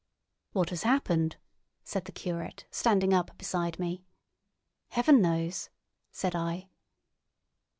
"What has happened?" said the curate, standing up beside me. "Heaven knows!" said I.